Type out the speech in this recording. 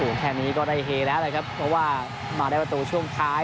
แค่นี้ก็ได้เฮแล้วนะครับเพราะว่ามาได้ประตูช่วงท้าย